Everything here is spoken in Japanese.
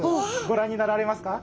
ご覧になられますか？